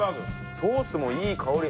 ソースもいい香り。